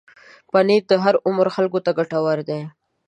پنېر د هر عمر خلکو ته ګټور دی.